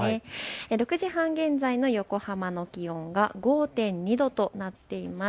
６時半現在の横浜の気温が５．２度となっています。